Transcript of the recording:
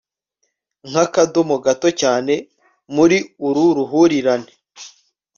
nk'akadomo gato cyane muri uru ruhurirane